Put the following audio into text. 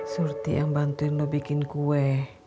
seperti yang bantuin lo bikin kue